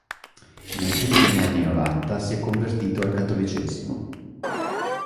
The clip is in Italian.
Nei primi anni Novanta si è convertito al cattolicesimo.